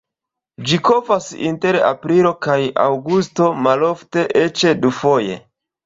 Ĝi kovas inter aprilo kaj aŭgusto, malofte eĉ dufoje.